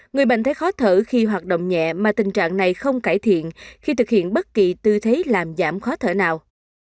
người bệnh thấy khó thở khi hoạt động nhẹ mà tình trạng này không cải thiện khi thực hiện bất kỳ tư thế làm giảm khó thở nào